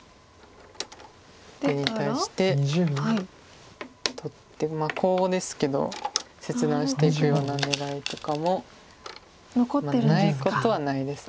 出に対して取ってコウですけど切断していくような狙いとかもないことはないです。